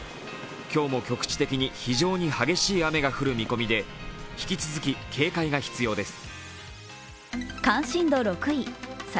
今日も局地的に非常に激しい雨が降る見込みで引き続き警戒が必要です。